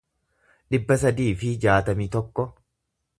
dhibba sadii fi jaatamii tokko